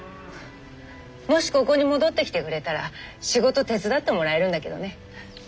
もしここに戻ってきてくれたら仕事手伝ってもらえるんだけどね。